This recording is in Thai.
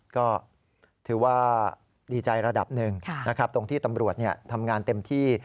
ก็ถือว่าดีใจระดับหนึ่งนะครับตรงที่ตำรวจทำงานเต็มที่